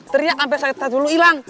teriak sampe saat saat dulu ilang